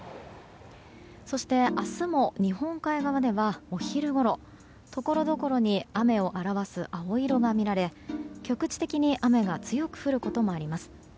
そして明日も日本海側ではお昼ごろところどころに雨を表す青色が見られ局地的に雨が強く降ることもあります。